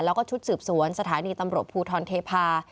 แล้วก็ชุดสืบสวนสถานีตำรวจภูทรเทพา